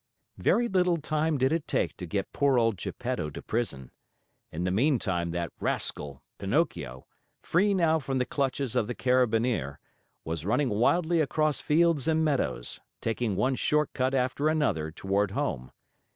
Very little time did it take to get poor old Geppetto to prison. In the meantime that rascal, Pinocchio, free now from the clutches of the Carabineer, was running wildly across fields and meadows, taking one short cut after another toward home.